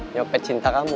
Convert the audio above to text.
nyopet cinta kamu